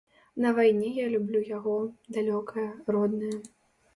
На вайне я люблю яго, далёкае, роднае.